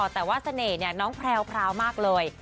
แต่ว่าเสน่ห์น้องแพรวมากเลย